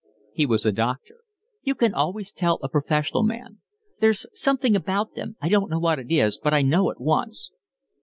"He was a doctor." "You can always tell a professional man. There's something about them, I don't know what it is, but I know at once."